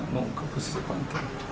mau ke prasir pantai